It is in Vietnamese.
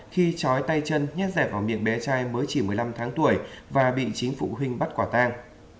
khi chói tay chân nhết dẹp vào miệng bé trai mới chỉ một mươi năm tháng tuổi và bị chính phụ huynh bắt quả tang